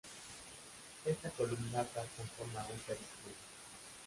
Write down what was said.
Esta columnata conforma un peristilo.